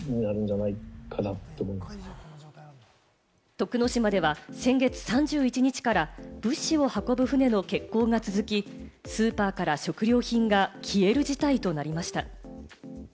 徳之島では先月３１日から物資を運ぶ船の欠航が続き、スーパーから食料品が消える事態となりました。